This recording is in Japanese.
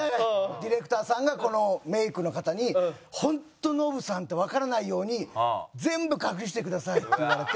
ディレクターさんがこのメイクの方に本当ノブさんってわからないように全部隠してくださいって言われて。